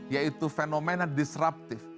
yaitu fenomena disruptif